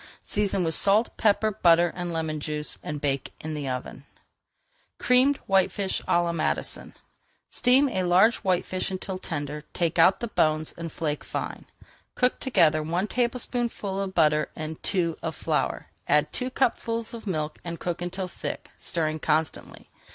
Season with salt, pepper, butter, and lemon juice, and bake in the oven. [Page 448] CREAMED WHITEFISH À LA MADISON Steam a large whitefish until tender, take out the bones, and flake fine. Cook together one tablespoonful of butter and two of flour, add two cupfuls of milk, and cook until thick, stirring constantly.